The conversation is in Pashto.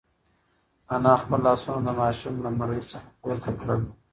انا خپل لاسونه د ماشوم له مرۍ څخه پورته کړل.